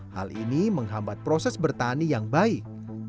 hal ini menghambat proses bertani yang baik